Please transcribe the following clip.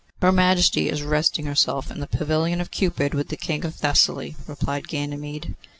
'Her Majesty is resting herself in the pavilion of Cupid, with the King of Thessaly,' replied Ganymede.